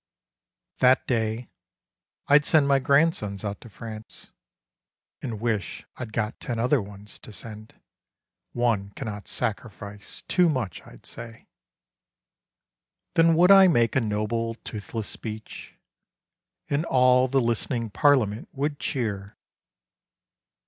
That day I 'd send my grandsons out to France — And wish I 'd got ten other ones to send (One cannot sacrifice too much, I'd say !) Then would I make a noble toothless speech, And all the list'ning parliament would cheer.